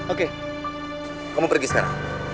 oke kamu pergi sekarang